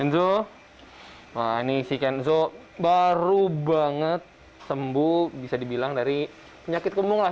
kenzo wah ini si kenzo baru banget sembuh bisa dibilang dari penyakit kemung lah